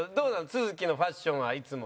都築のファッションはいつも。